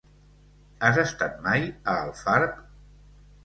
Has estat mai a Alfarb?